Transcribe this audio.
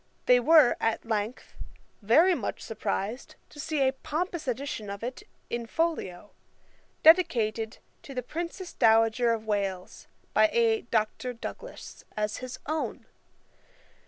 They were, at length, very much surprised to see a pompous edition of it in folio, dedicated to the Princess Dowager of Wales, by a Dr. Douglas, as his own.